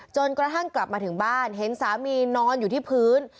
จนกระทั่งกลับมาถึงบ้านเห็นสามีนอนอยู่ที่พื้น